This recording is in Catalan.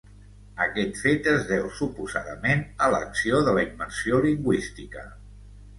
Aquest fet es deu, suposadament, a l'acció de la immersió lingüística.